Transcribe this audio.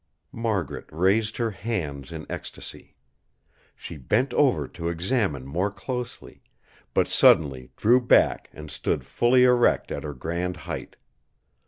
Margaret raised her hands in ecstasy. She bent over to examine more closely; but suddenly drew back and stood fully erect at her grand height.